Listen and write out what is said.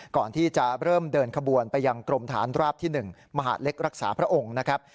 ก่อนที่จะเริ่มเดินขบวนไปยังกรมฐานราบที่๑มหาดเล็กรักษาพระองค์นะครับ